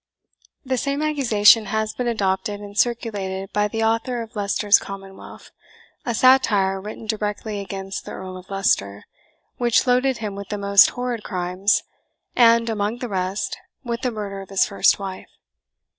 ] The same accusation has been adopted and circulated by the author of Leicester's Commonwealth, a satire written directly against the Earl of Leicester, which loaded him with the most horrid crimes, and, among the rest, with the murder of his first wife.